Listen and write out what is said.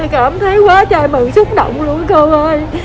cảm thấy quá chai mừng xúc động luôn cô ơi